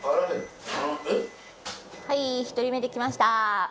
はい１人目できました！